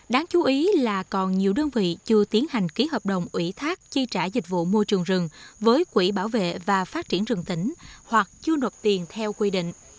đáng chú ý là còn nhiều đơn vị chưa tiến hành ký hợp đồng ủy thác chi trả dịch vụ môi trường rừng với quỹ bảo vệ và phát triển rừng tỉnh hoặc chưa nộp tiền theo quy định